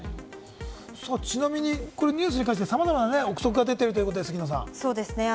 ちなみにニュースに関して様々な憶測が出ているということですね。